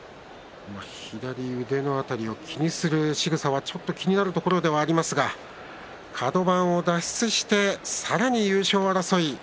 左腕の辺りを気にするしぐさがちょっと気になるところではありますがカド番を脱出してさらに優勝争い。